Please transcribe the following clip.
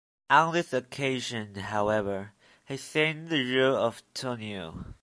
On this occasion, however, he sang the role of Tonio.